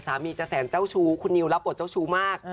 จะแสนเจ้าชู้คุณนิวรับบทเจ้าชู้มาก